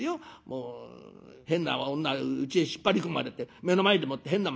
もう変な女うちへ引っ張り込まれて目の前でもって変なまねされりゃ